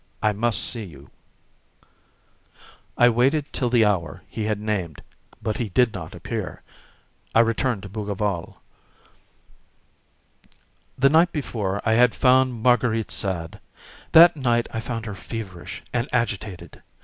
I must see you." I waited till the hour he had named, but he did not appear. I returned to Bougival. The night before I had found Marguerite sad; that night I found her feverish and agitated.